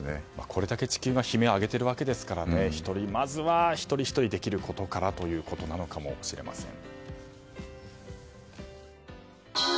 これだけ地球が悲鳴を上げているわけですからまずは一人ひとりができることからということなのかもしれません。